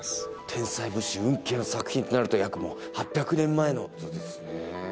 天才仏師運慶の作品となると約８００年前の。